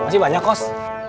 masih banyak kost